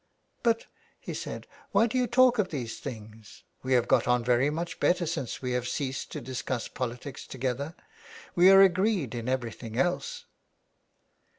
" But," he said, " why do you talk of these things. We have got on very mvch better since we have ceased to discuss politics together. W^e are agreed in everything else."